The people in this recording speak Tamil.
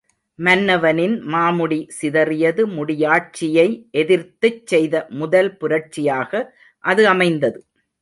மன்னவனின் மாமுடி சிதறியது முடியாட்சியை எதிர்த்துச் செய்த முதல் புரட்சியாக அது அமைந்தது.